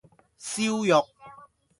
燒肉